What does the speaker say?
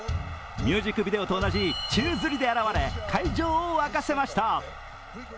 ミュージックビデオと同じ宙づりで現れ、会場を沸かせました。